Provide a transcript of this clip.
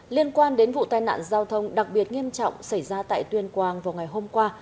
liên quan đến vụ tai nạn giao thông đặc biệt nghiêm trọng xảy ra tại tuyên quang vào ngày hôm qua